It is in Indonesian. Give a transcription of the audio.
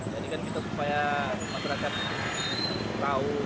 jadi kan kita supaya masyarakat tahu